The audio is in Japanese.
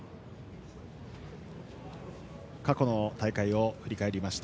過去の大会を振り返りました。